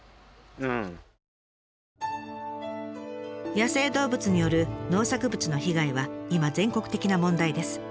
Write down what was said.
野生動物による農作物の被害は今全国的な問題です。